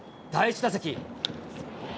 第１打席。